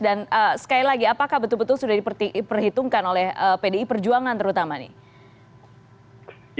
dan sekali lagi apakah betul betul sudah diperhitungkan oleh pdi perjuangan terutama nih